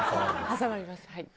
挟まりますはい。